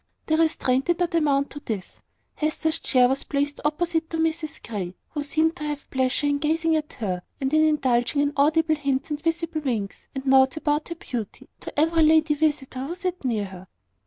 The restraint did not amount to this. Hester's chair was placed opposite to Mrs Grey, who seemed to have pleasure in gazing at her, and in indulging in audible hints and visible winks and nods about her beauty, to every lady visitor who sat near her.